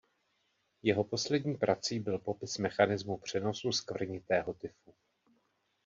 Jeho poslední prací byl popis mechanismu přenosu skvrnitého tyfu.